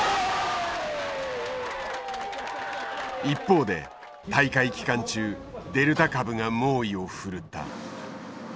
一方で大会期間中デルタ株が猛威を振るった。